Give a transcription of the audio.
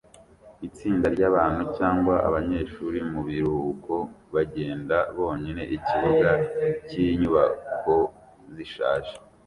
Itsinda ryabantu cyangwa abanyeshuri mubiruhuko bagenda bonyine ikibuga cyinyubako zishaje